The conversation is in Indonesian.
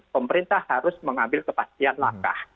pemerintah harus mengambil kepastian langkah